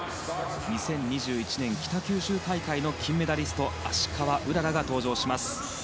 ２０２１年北九州大会の金メダリスト芦川うららが登場します。